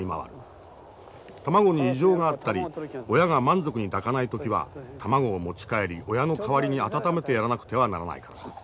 卵に異常があったり親が満足に抱かない時は卵を持ち帰り親の代わりに温めてやらなくてはならないからだ。